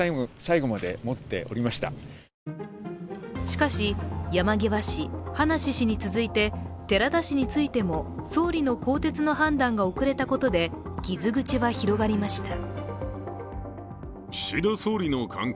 しかし、山際氏、葉梨氏に続いて寺田氏についても総理の更迭の判断が遅れたことで傷口は広がりました。